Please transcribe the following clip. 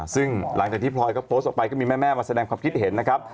ซึ่งหลังจากที่พลอยก็โพสต์ออกไปก็มีแม่มาแสดงความคิดเห็นนะครับ